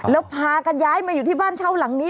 แล้วพากันย้ายมาอยู่ที่บ้านเช่าหลังนี้